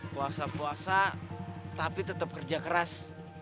puasa puasa tapi tetap kerja keras